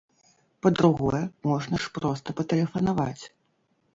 Па-другое, можна ж проста патэлефанаваць!